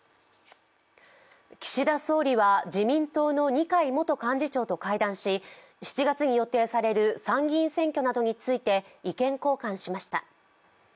岸田総理は自民党の二階元幹事長と会談し、７月に予定される参議院選挙などについて意見交換しました。